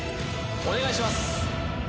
お願いします